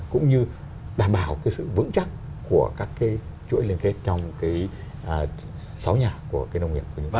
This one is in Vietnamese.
cũng như đảm bảo cái sự vững chắc của các cái chuỗi liên kết trong cái sáu nhà của cái nông nghiệp của chúng ta